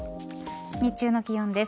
日中の気温です。